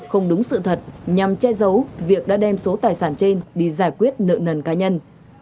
không đúng sự thật nhằm che giấu việc đã đem số tài sản trên đi giải quyết nợ nần cá nhân